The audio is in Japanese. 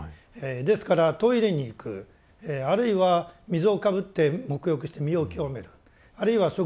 ですからトイレに行くあるいは水をかぶって沐浴して身を清めるあるいは食事をとる。